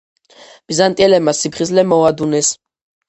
ბიზანტიელებმა სიფხიზლე მოადუნეს.